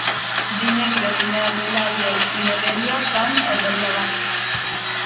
Dimecres na Laia i na Dèlia van a Parlavà.